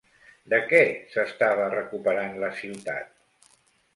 De què s'estava recuperant la ciutat?